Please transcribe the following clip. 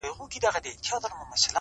غوجله د عمل ځای ټاکل کيږي او فضا تياره,